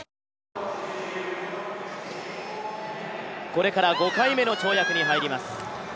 これから５回目の跳躍に入ります。